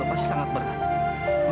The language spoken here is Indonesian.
bok pukul sekarang dan ny threadnya